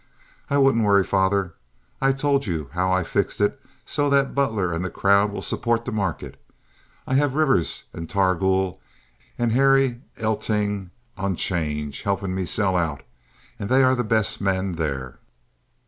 "I wouldn't worry, father. I told you how I fixed it so that Butler and that crowd will support the market. I have Rivers and Targool and Harry Eltinge on 'change helping me sell out, and they are the best men there.